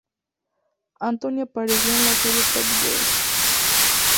Anthony apareció en la serie Top Gear.